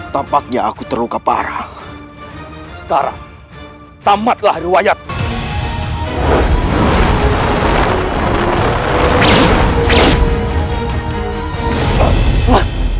tampaknya aku terluka parah sekarang tamatlah riwayat